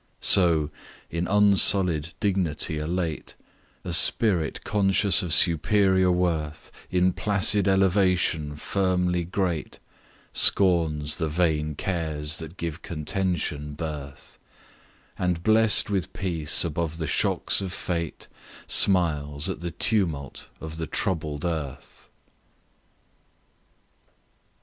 So, in unsullied dignity elate, A spirit conscious of superior worth, In placid elevation firmly great, Scorns the vain cares that give Contention birth; And blest with peace above the shocks of Fate, Smiles at the tumult of the troubled earth.